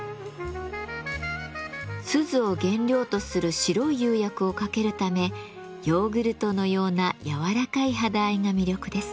錫を原料とする白い釉薬をかけるためヨーグルトのような柔らかい肌合いが魅力です。